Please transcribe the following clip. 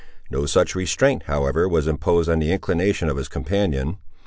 No such restraint, however, was imposed on the inclination of his companion.